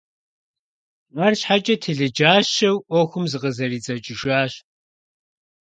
АрщхьэкIэ, телъыджащэу Iуэхум зыкъызэридзэкIыжащ.